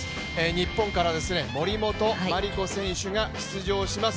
日本からは森本麻里子選手が出場します。